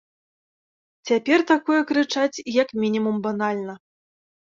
Цяпер такое крычаць як мінімум банальна.